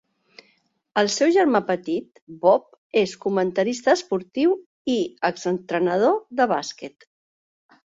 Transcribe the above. El seu germà petit, Bob, és comentarista esportiu i exentrenador de bàsquet.